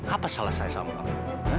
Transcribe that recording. apa salah saya sama kamu